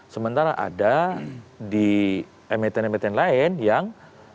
sementara ada di emiten emiten lain yang